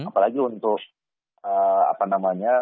apalagi untuk apa namanya